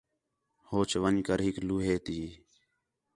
ہوچ ون٘ڄ کر ہِک لوہے تی